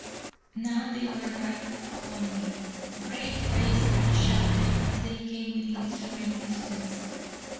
Now they were right upon me. "Great race," I shouted, as they came within hearing distance.